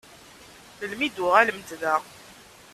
Melmi i d-tuɣalemt da?